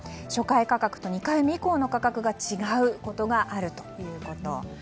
初回価格と２回目以降の価格が違うことがあるということ。